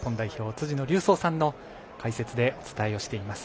辻野隆三さんの解説でお伝えをしています。